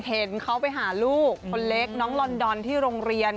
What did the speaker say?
เห็นเขาไปหาลูกคนเล็กน้องลอนดอนที่โรงเรียน